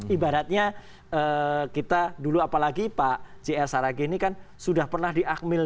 ibaratnya kita dulu apalagi pak c l saragini kan sudah pernah diakmil